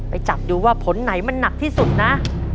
ไปจับดูว่าผลไหนมันหนักที่สุดนะ